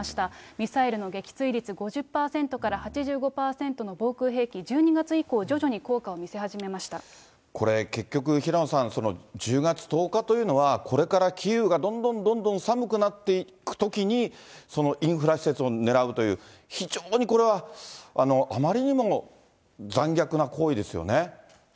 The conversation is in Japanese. ミサイルの撃墜率５０％から８５％の防空兵器、１２月以降、これ、結局平野さん、１０月１０日というのは、これからキーウがどんどんどんどん寒くなっていくときに、インフラ施設を狙うという、非常にこれはあまりにも残虐な行為ですよね。